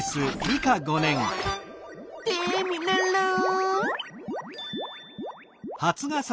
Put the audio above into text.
テミルンルン！